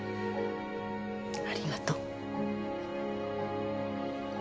ありがとう。